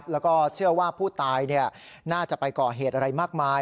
แล้วก็เชื่อว่าผู้ตายน่าจะไปก่อเหตุอะไรมากมาย